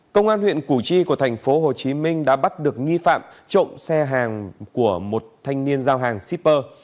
công an huyện củ chi của thành phố hồ chí minh đã bắt được nghi phạm trộm xe hàng của một thanh niên giao hàng shipper